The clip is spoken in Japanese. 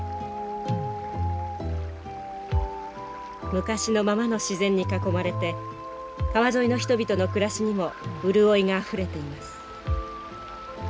昔のままの自然に囲まれて川沿いの人々の暮らしにも潤いがあふれています。